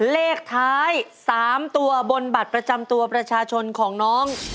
เลขท้าย๓ตัวบนบัตรประจำตัวประชาชนของน้อง